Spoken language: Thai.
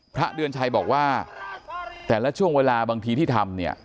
พระเดือนชัยบอกว่าแต่ละช่วงเวลาบางทีที่ทำเนี่ย